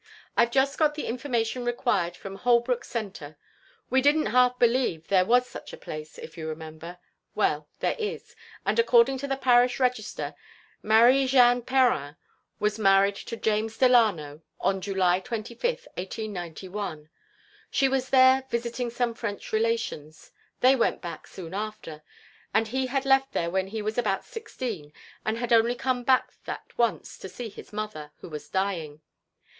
"I've just got the information required from Holbrook Centre. We didn't half believe there was such a place, if you remember? Well there is, and according to the parish register Marie Jeanne Perrin was married to James Delano on July 25th, 1891. She was there, visiting some French relations they went back soon after and he had left there when he was about sixteen and had only come back that once to see his mother, who was dying.